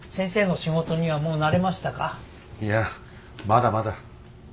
いやまだまだ。